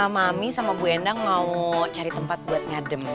mami sama bu endang mau cari tempat buat ngadem